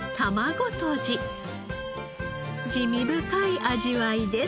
滋味深い味わいです。